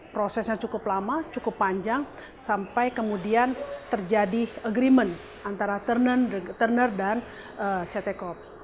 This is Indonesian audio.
prosesnya cukup lama cukup panjang sampai kemudian terjadi agreement antara turner dan ct corp